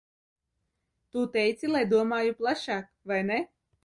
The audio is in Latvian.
Tu teici, lai domāju plašāk, vai ne?